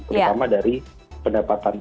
terutama dari pendapatan ike